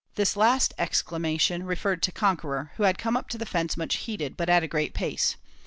This last exclamation referred to Conqueror, who had come up to the fence much heated, but at a great pace.